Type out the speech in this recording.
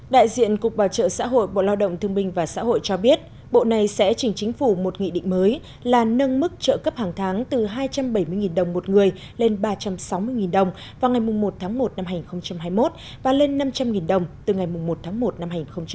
đại diện cục bảo trợ xã hội bộ lao động thương minh và xã hội cho biết bộ này sẽ chỉnh chính phủ một nghị định mới là nâng mức trợ cấp hàng tháng từ hai trăm bảy mươi đồng một người lên ba trăm sáu mươi đồng vào ngày một tháng một năm hai nghìn hai mươi một và lên năm trăm linh đồng từ ngày một tháng một năm hai nghìn hai mươi